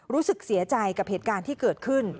รู้สึกเสียใจกับเหตุการณ์ที่เกิดขึ้น